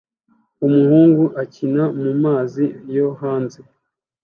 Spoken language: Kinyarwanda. Umuhungu akina mumazi yo hanze